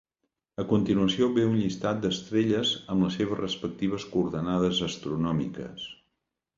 A continuació ve un llistat d'estrelles amb les seves respectives coordenades astronòmiques.